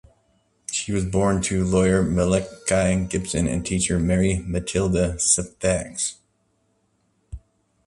She was born to lawyer Malachi Gibson and teacher Mary Matilda Syphax.